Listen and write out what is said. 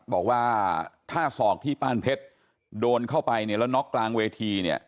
บอกว่าท่าศอกที่ป้านเพชรโดนเข้าไปแล้วน็อกกลางเวที